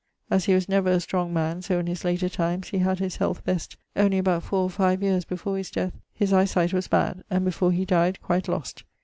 As he was never a strong man, so in his later times he had his health best, only about four or five yeares before his death his eie sight was bad, and before he dyed quite lost.